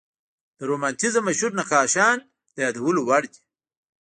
د رومانتیزم مشهور نقاشان د یادولو وړ دي.